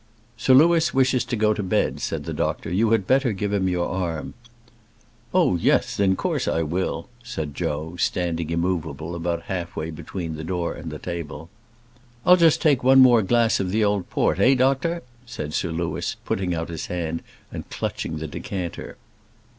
"Sir Louis wishes to go to bed," said the doctor; "you had better give him your arm." "Oh, yes; in course I will," said Joe, standing immoveable about half way between the door and the table. "I'll just take one more glass of the old port eh, doctor?" said Sir Louis, putting out his hand and clutching the decanter.